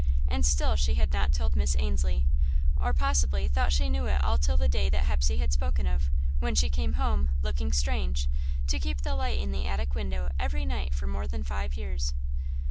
And still she had not told Miss Ainslie, or, possibly, thought she knew it all till the day that Hepsey had spoken of; when she came home, looking "strange," to keep the light in the attic window every night for more than five years.